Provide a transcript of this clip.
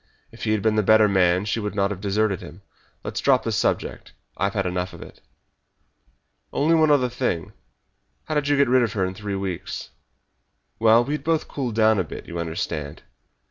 "If he had been the better man she would not have deserted him. Let's drop the subject, for I have had enough of it!" "Only one other thing. How did you get rid of her in three weeks?" "Well, we had both cooled down a bit, you understand.